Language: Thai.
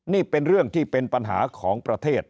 นี่เป็นเรื่องที่เป็นปัญหาของประเทศ